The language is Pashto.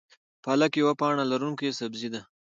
پالک یوه پاڼه لرونکی سبزی ده